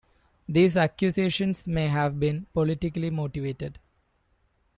These accusations may have been politically motivated.